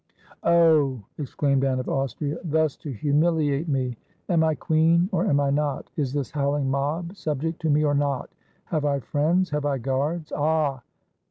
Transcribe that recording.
"Oh!" exclaimed Anne of Austria, "thus to humihate me ! Am I queen or am I not? Is this howling mob sub ject to me or not? Have I friends? Have I guards? Ah